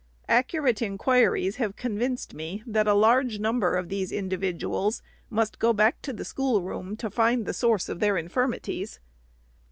Accurate inquiries have convinced me, that a large number of these individuals must go back to the schoolroom to find the source of their infirmities."